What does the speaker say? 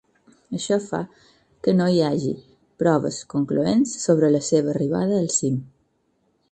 Això fa que no hi hagi proves concloents sobre la seva arribada al cim.